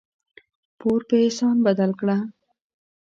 پور په احسان بدل کړه.